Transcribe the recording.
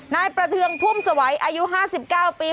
นายประเทืองพุ่มสวัยอายุ๕๙ปี